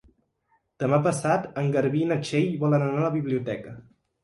Demà passat en Garbí i na Txell volen anar a la biblioteca.